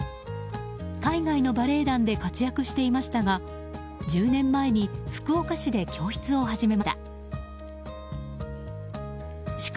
海外のバレエ団で活躍していましたが１０年前に福岡市で教室を始めました。